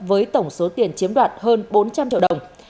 với tổng số tiền chiếm đoạt hơn bốn trăm linh triệu đồng